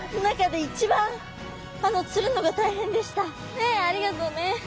ねっありがとうね。